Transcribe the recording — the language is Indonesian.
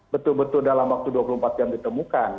betul betul dalam waktu dua puluh empat jam ditemukan